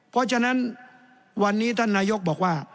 เพราะฉะนั้นวันนี้ท่านนายกบอกว่า